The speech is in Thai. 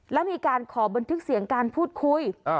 แล้วมีการขอบันทึกเสียงการพูดคุย